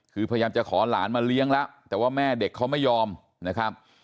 คือพยายามจะขอหลานมาเลี้ยงแล้วแต่ว่าแม่เด็กเขาไม่ยอมนะครับ